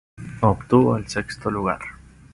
Obtuvo el sexto lugar.